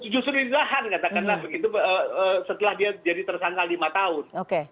justru di lahan katakanlah begitu setelah dia jadi tersangka lima tahun